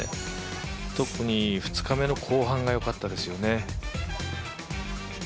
特に２日目の後半が良かったですよね。